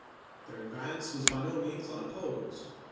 Their advance was by no means unopposed.